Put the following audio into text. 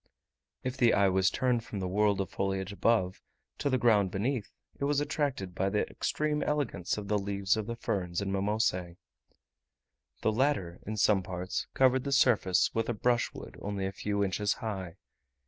If the eye was turned from the world of foliage above, to the ground beneath, it was attracted by the extreme elegance of the leaves of the ferns and mimosae. The latter, in some parts, covered the surface with a brushwood only a few inches high.